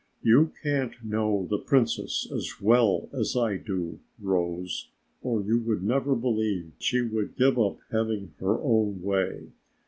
"You can't know the Princess as well as I do, Rose, or you would never believe she would give up having her own way.